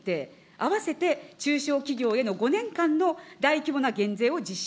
併せて中小企業への５年間の大規模な減税を実施。